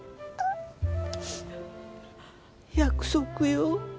約束よ。